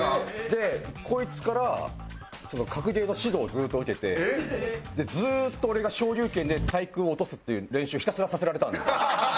でこいつから格ゲーの指導をずっと受けてずっと俺が昇龍拳で対空を落とすっていう練習をひたすらさせられたんです。